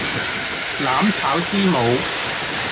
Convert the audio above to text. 攬抄之母